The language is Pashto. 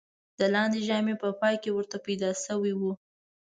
د لاندېنۍ ژامې په پای کې ورته پیدا شوی و.